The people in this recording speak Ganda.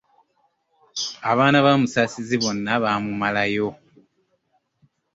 Abaana ba Musaasizi bonna baamumalayo!